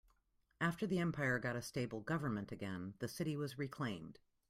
After the empire got a stable government again, the city was reclaimed.